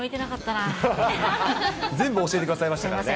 全部教えてくれましたからね。